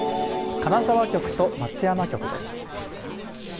金沢局と松山局です。